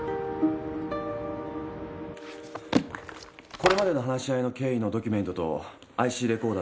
これまでの話し合いの経緯のドキュメントとＩＣレコーダーです。